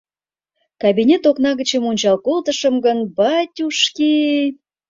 Кабинет окна гычем ончал колтышым гын, батюшки!..